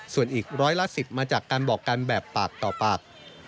ส่วนอีก๑๑๐มาจากการบอกการแบบปากต่อปาก